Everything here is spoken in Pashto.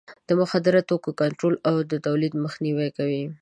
د مخدره توکو کنټرول او تولید مخنیوی کوي.